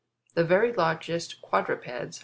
The very largest quadrupeds 19.